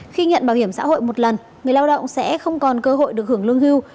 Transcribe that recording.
khi nhận bảo hiểm xã hội một lần người lao động sẽ không còn cơ hội được hưởng lương hưu